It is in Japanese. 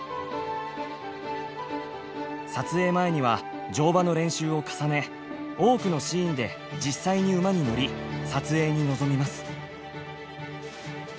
撮影前には乗馬の練習を重ね多くのシーンで実際に馬に乗り撮影に臨みます。